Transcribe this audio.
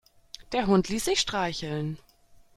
Der Hund ließ sich streicheln.